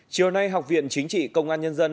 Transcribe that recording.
chiều nay học viện chính trị công an nhân dân